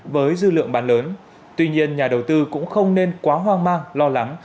với dư lượng bán lớn tuy nhiên nhà đầu tư cũng không nên quá hoang mang lo lắng